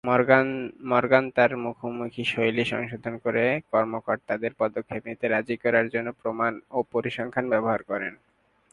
Morgan তার মুখোমুখি শৈলী সংশোধন করে কর্মকর্তাদের পদক্ষেপ নিতে রাজি করার জন্য প্রমাণ ও পরিসংখ্যান ব্যবহার করেন।